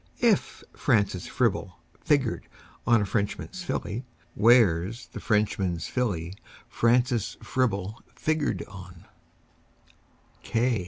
If Francis Fribble figured on a Frenchman's Filly, Where's the Frenchman's Filly Francis Fribble figured on?